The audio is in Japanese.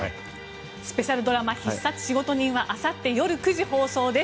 スペシャルドラマ「必殺仕事人」はあさって夜９時放送です。